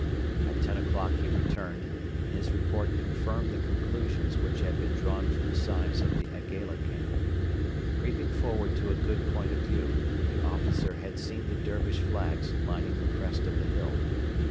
At ten o'clock he returned, and his report confirmed the conclusions which had been drawn from the size of the Aigaila camp. Creeping forward to a good point of view, the officer had seen the Dervish flags lining the crest of the hill.